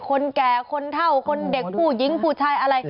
คนแก่คนเท่าคนเด็กผู้หญิงผู้ชายอะไร